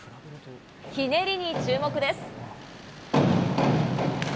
ひねりに注目です。